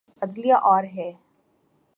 عدلیہ اور ہے۔